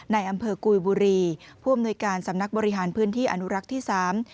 ในอำเภอกุยบุรีผู้อำนวยการสำนักบริหารพื้นที่อนุรักษ์ที่สาม